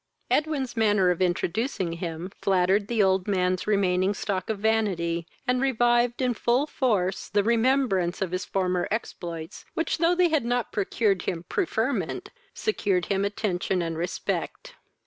Edwin's manner of introducing him, flattered the old man's remaining stock of vanity, and revived, in full force, the remembrance of his former exploits, which, though they had not procured him preferment, secured him attention and respect.